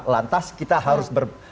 lantas kita harus